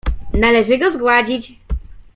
"Należy go zgładzić."